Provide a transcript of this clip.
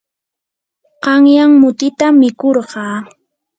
qanyan mutitam mikurqaa.